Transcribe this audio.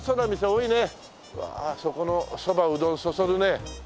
うわそこのそばうどんそそるね。